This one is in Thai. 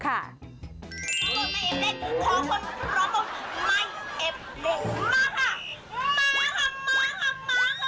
ข้ารับข้ารับเอฟไนกี้มาเอฟไนกี้มา